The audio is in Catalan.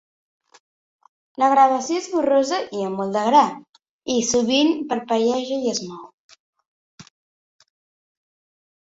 La gravació és borrosa i amb molt de gra, i sovint parpelleja i es mou.